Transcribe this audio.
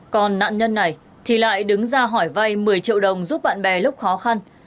còn nạn nhân này thì lại đứng ra hỏi vay một mươi triệu đồng giúp bạn bè lúc khó khăn